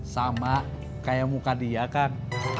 sama kayak muka dia kan